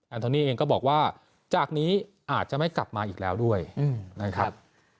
โทนี่เองก็บอกว่าจากนี้อาจจะไม่กลับมาอีกแล้วด้วยนะครับ